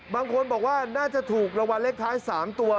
บางคนบอกว่าน่าจะถูกรางวัลเลขท้าย๓ตัว